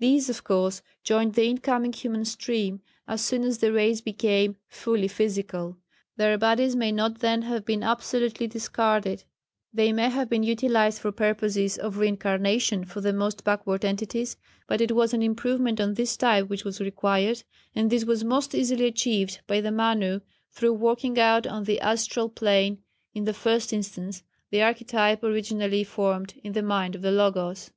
These, of course, joined the in coming human stream as soon as the race became fully physical. Their bodies may not then have been absolutely discarded; they may have been utilized for purposes of reincarnation for the most backward entities, but it was an improvement on this type which was required, and this was most easily achieved by the Manu, through working out on the astral plane in the first instance, the architype originally formed in the mind of the Logos.